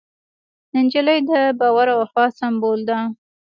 نجلۍ د باور او وفا سمبول ده.